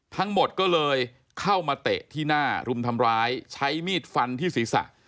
ทั้งหมดก็เลยเข้ามาเตะที่หน้ารุมทำร้ายใช้มีดฟันที่ศีรษะ